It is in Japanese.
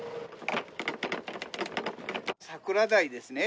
桜鯛ですね。